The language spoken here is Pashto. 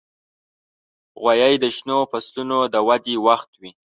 غویی د شنو فصلونو د ودې وخت وي.